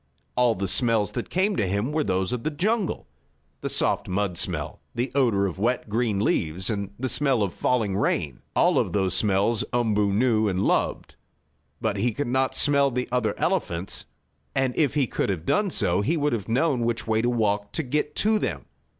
All the smells that came to him were those of the jungle the soft mud smell, the odor of wet, green leaves and the smell of the falling rain. All those smells Umboo knew and loved. But he could not smell the other elephants, and if he could have done so he would have known which way to walk to get to them.